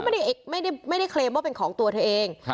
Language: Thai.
ไม่ได้เคลมว่าเป็นของตัวเธอเอง